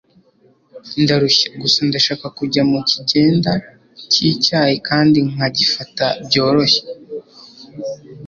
ndarushye. gusa ndashaka kujya mukigenda cyicyayi kandi nkagifata byoroshye